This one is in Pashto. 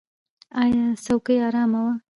ایا څوکۍ ارامه وه؟